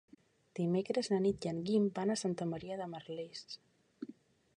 Dimecres na Nit i en Guim van a Santa Maria de Merlès.